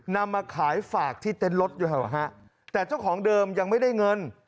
นำมาขายฝากที่เต็นต์รถอยู่แถวแต่เจ้าของเดิมยังไม่ได้เงิน